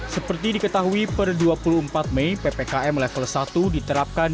seperti diketahui per dua puluh empat mei ppkm level satu diterapkan